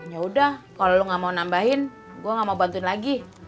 ya udah kalau lo gak mau nambahin gue gak mau bantuin lagi